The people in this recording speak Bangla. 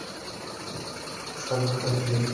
সে কি তার পোষাক ভাড়া দিয়ে ভাদাইম্মার মত ঘুরে বেড়ায়?